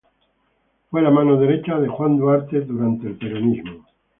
Fue la mano derecha de Juan Duarte durante el peronismo.